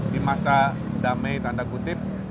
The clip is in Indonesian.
di masa damai tanda kutip